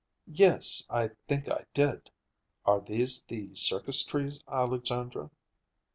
"Yes, I think I did. Are these the circus trees, Alexandra?"